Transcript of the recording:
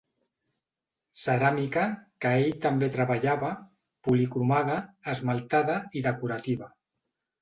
Ceràmica, que ell també treballava, policromada, esmaltada i decorativa.